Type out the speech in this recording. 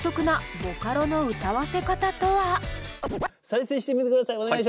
再生してみてください！